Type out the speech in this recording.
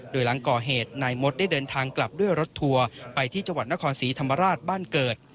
โดยหลังก่อเหตุนายมดได้เดินทางกลับด้วยรถทัวร์ไปที่จังหวัดนครศรีธรรมราชบ้านเกิด